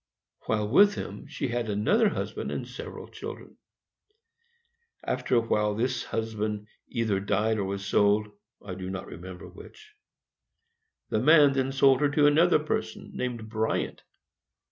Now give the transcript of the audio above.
While with him she had another husband and several children. After a while this husband either died or was sold, I do not remember which. The man then sold her to another person, named Bryant.